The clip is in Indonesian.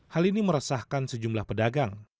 hal ini meresahkan sejumlah pedagang